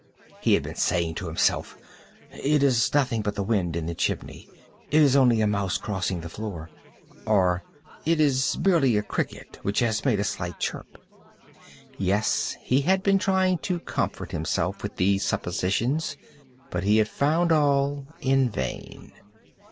He had been saying to himself—"It is nothing but the wind in the chimney—it is only a mouse crossing the floor," or "It is merely a cricket which has made a single chirp." Yes, he had been trying to comfort himself with these suppositions: but he had found all in vain.